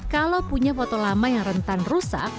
kalau punya foto lama yang rentan rusak